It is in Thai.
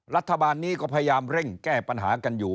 รัฐบาลนี้ก็พยายามเร่งแก้ปัญหากันอยู่